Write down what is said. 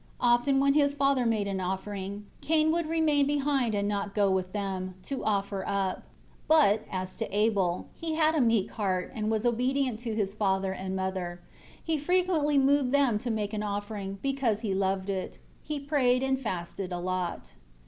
2 Often when his father made an offering, Cain would remain behind and not go with them, to offer up. 3 But, as to Abel, he had a meek heart, and was obedient to his father and mother. He frequently moved them to make an offering, because he loved it. He prayed and fasted a lot.